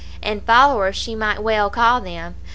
And followers she might well call them.